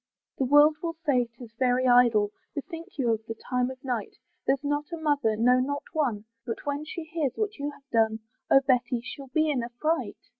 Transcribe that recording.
The world will say 'tis very idle, Bethink you of the time of night; There's not a mother, no not one, But when she hears what you have done, Oh! Betty she'll be in a fright.